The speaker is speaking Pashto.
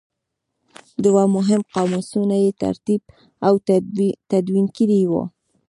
دوه مهم قاموسونه یې ترتیب او تدوین کړي وو.